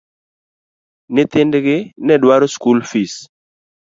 Nyithind gi ne dwaro skul fis.